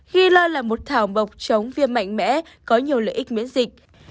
ghi lòi là một thảo bọc chống viêm mạnh mẽ có nhiều lợi ích miễn dịch